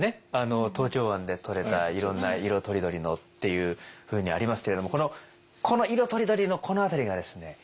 東京湾でとれたいろんな色とりどりのっていうふうにありますけれどもこの「色とりどり」のこの辺りがですね